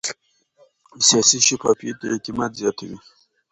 سیاسي شفافیت اعتماد زیاتوي